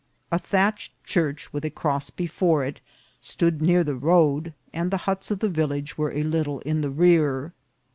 A thatched church, with a cross before it, stood near the road, and the huts of the village were a little in the rear.